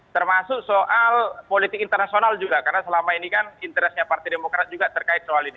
termasuk soal politik internasional juga karena selama ini kan interestnya partai demokrat juga terkait soal ini